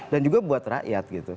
dan juga buat rakyat